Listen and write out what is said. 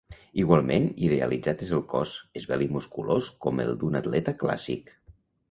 Igualment idealitzat és el cos, esvelt i musculós com el d'un atleta clàssic.